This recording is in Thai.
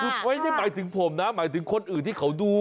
คือไม่ได้หมายถึงผมนะหมายถึงคนอื่นที่เขาดู